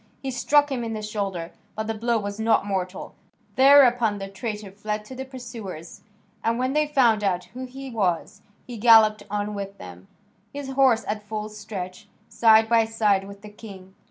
He struck him in the shoulder, but the blow was not mortal. Thereupon the traitor fled to the pursuers, and when they found out who he was he galloped on with them, his horse at full stretch, side by side with the king.